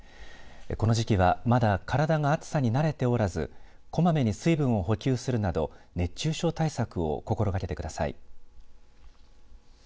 この時期はまだ体が暑さに慣れておらずこまめに水分を補給するなど熱中症対策を心がけてください。